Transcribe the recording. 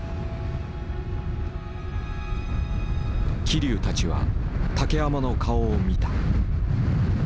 桐生たちは竹山の顔を見た。